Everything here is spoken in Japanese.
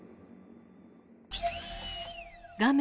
画面